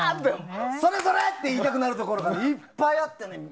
それそれ！って言いたくなるところがいっぱいあってね。